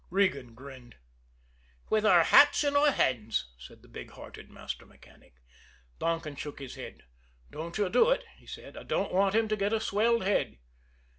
Regan grinned. "With our hats in our hands," said the big hearted master mechanic. Donkin shook his head. "Don't you do it," he said. "I don't want him to get a swelled head."